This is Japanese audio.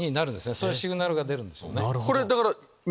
そういうシグナルが出るんです。